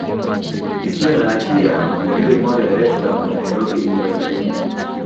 isiyo na hatia waliyoimwaga Dar es Salaam na Nairobi iliwagharimu